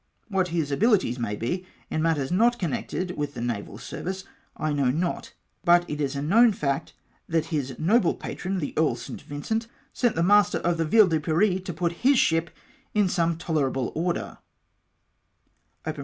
What his abilities may be, in matters not connected with the naval service, I know not ; but it is a known fact that his noble patron, the Earl of St. Vincent, sent the master of the VtUe de Paris to put his ship in some tolerable order.